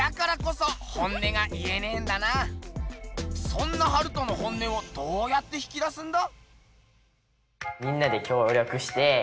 そんなハルトの本音をどうやって引き出すんだ？